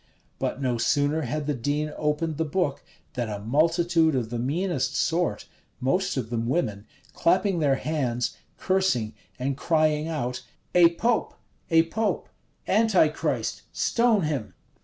But no sooner had the dean opened the book than a multitude of the meanest sort, most of them women, clapping their hands, cursing, and crying out, "A pope, a pope! Antichrist! stone him!"